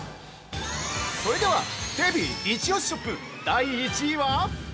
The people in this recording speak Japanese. ◆それでは、デヴィイチオシショップ、第１位は！？